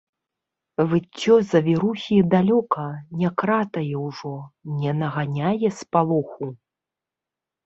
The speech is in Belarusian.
Выццё завірухі далёка, не кратае ўжо, не наганяе спалоху.